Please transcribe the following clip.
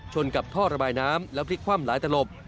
กับท่อระบายน้ำแล้วพลิกคว่ำหลายตลบ